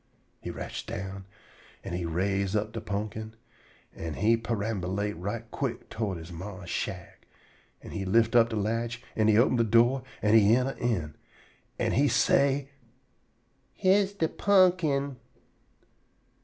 He rotch down, an' he raise up de pumpkin, an' he perambulate right quick to he ma's shack, an' he lift up de latch, an' he open de do', an' he yenter in. An' he say: "Yere's de pumpkin."